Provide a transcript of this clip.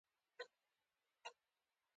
د افغانستان پګړۍ د عزت نښه ده